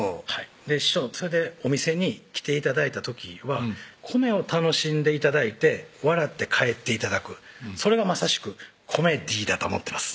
師匠それでお店に来て頂いた時は米を楽しんで頂いて笑って帰って頂くそれがまさしくコメディーだと思ってます